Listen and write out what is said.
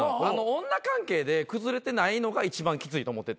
女関係で崩れてないのが一番きついと思ってて。